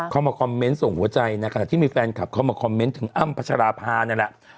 เข้ามาคอมเมนต์ส่งหัวใจในขณะที่มีแฟนคลับเข้ามาคอมเมนต์ถึงอ้ำพัชราภานั่นแหละ